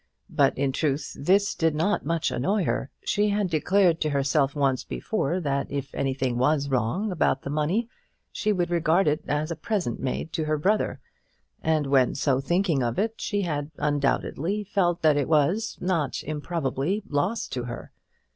But, in truth, this did not much annoy her. She had declared to herself once before that if anything was wrong about the money she would regard it as a present made to her brother; and when so thinking of it, she had, undoubtedly, felt that it was, not improbably, lost to her.